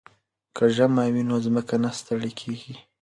که ژمی وي نو ځمکه نه ستړې کیږي.